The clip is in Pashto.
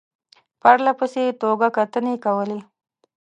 پرله پسې توګه کتنې کولې.